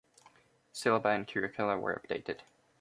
Syllabi and curricula were updated.